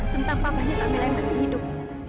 tentang faktanya kamila yang masih hidup